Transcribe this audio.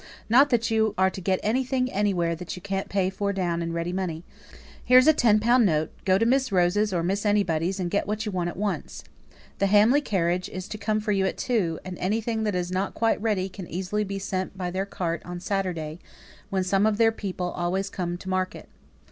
Not that you're to get anything anywhere that you can't pay for down in ready money. Here's a ten pound note; go to Miss Rose's, or Miss anybody's, and get what you want at once. The Hamley carriage is to come for you at two, and anything that isn't quite ready, can easily be sent by their cart on Saturday, when some of their people always come to market.